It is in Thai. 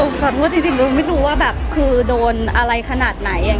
โอ้ค่ะเพราะว่าจริงจริงเราไม่รู้ว่าแบบคือโดนอะไรขนาดไหนอย่าง